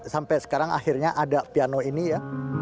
sampai sekarang akhirnya ada piano ini ya